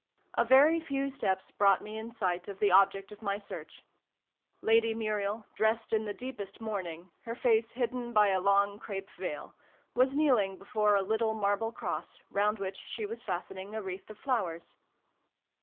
A very few steps brought me in sight of the object of my search. Lady Muriel, dressed in the deepest mourning, her face hidden by a long crape veil, was kneeling before a little marble cross, round which she was fastening a wreath of flowers.